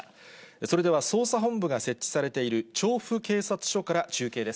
それでは捜査本部が設置されている、調布警察署から中継です。